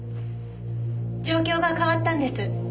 状況が変わったんです。